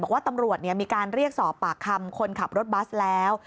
บอกว่าตำรวจมีการเรียกสอบปากคำคนขับรถบัสแล้ว